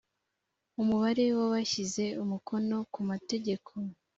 umubare w abashyize umukono ku mategeko